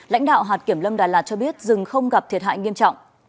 lãnh đạo hạt kiểm lâm đà lạt cho biết rừng không gặp thiệt hại nghiêm trọng